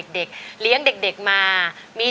ขอบคุณครับ